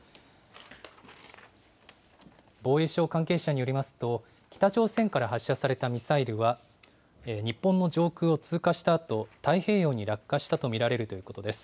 防衛省関係者によりますと、北朝鮮から発射されたミサイルは日本の上空を通過したあと、太平洋に落下したと見られるということです。